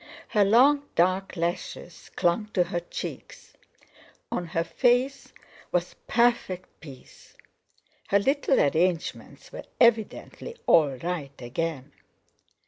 Her long dark lashes clung to her cheeks; on her face was perfect peace—her little arrangements were evidently all right again.